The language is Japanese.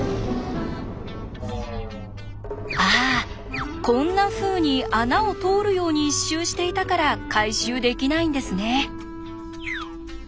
ああこんなふうに穴を通るように一周していたから回収できないんですね。